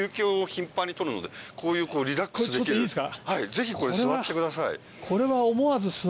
ぜひこれ座ってください。